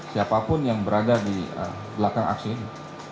siapapun yang berada di belakang aksi ini